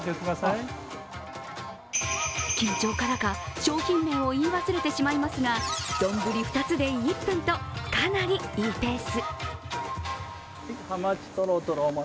緊張からか、商品名を言い忘れてしまいますが丼２つで１分とかなりいいペース。